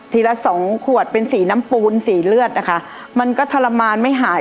ละสองขวดเป็นสีน้ำปูนสีเลือดนะคะมันก็ทรมานไม่หาย